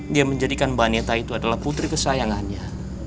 dia menjadikan baneta itu adalah putri kesayangannya